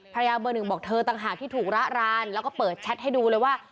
ภรรยาเบอร์หนึ่งบอกเธอต่างหากที่ถูกระรานแล้วก็เปิดแชทให้ดูเลยว่า